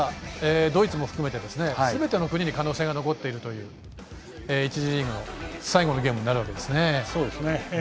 ドイツも含めてすべての国に可能性が残っているという１次リーグの最後のゲームになるわけですね。